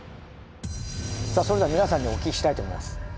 さあそれでは皆さんにお聞きしたいと思います。